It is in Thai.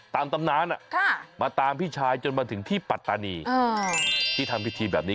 ตามตำนานมาตามพี่ชายจนมาถึงที่ปัตตานีที่ทำพิธีแบบนี้